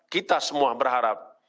kita semua berharap